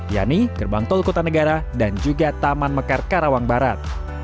yakni gerbang tol kota negara dan juga taman mekar karawang barat